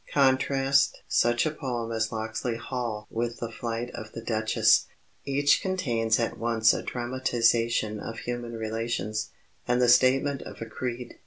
Contrast such a poem as Locksley Hall with The Flight of the Duchess. Each contains at once a dramatization of human relations, and the statement of a creed.